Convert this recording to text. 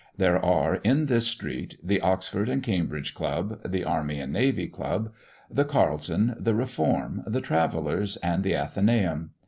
There are, in this street, the Oxford and Cambridge Club, the Army and Navy Club, the Carlton, the Reform, the Travellers', and the Athenæum.